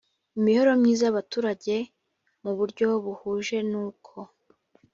imibereho myiza y abaturage mu buryo buhuje n uko